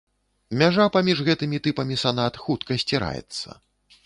Мяжа паміж гэтымі тыпамі санат хутка сціраецца.